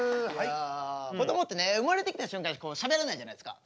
こどもってね生まれてきた瞬間しゃべらないじゃないですか。